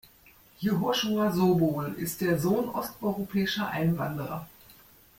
Jehoschua Sobol ist der Sohn osteuropäischer Einwanderer.